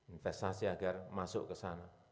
investasi agar masuk ke sana